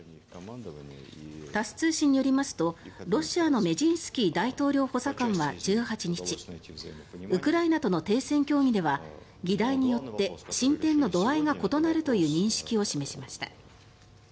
タス通信によりますとロシアのメジンスキー大統領補佐官は１８日ウクライナとの停戦協議では議題によって進展の度合いが異なるという認識を示しました。